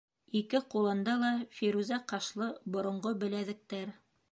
Ике ҡулында ла фирүзә ҡашлы боронғо беләҙектәр.